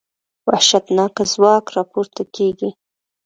وحشتناکه ځواک راپورته کېږي.